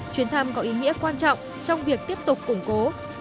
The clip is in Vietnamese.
chuyến thăm có ý nghĩa quan trọng trong việc tiếp tục cùng các thành viên